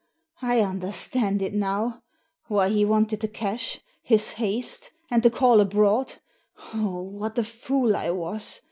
I understand it now. Why he wanted the cash, his haste, and the call abroad. What a fool I was!